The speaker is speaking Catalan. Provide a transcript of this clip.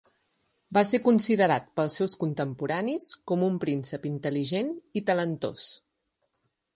Va ser considerat pels seus contemporanis com un príncep intel·ligent i talentós.